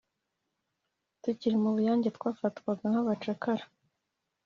Tukiri mu bunyage twafatwaga nk’abacakara